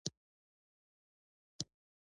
له کراماتو ډک پیر صاحب وایي چې د سولې تعویض راغلی.